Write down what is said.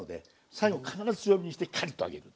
最後必ず強火にしてカリッと揚げる。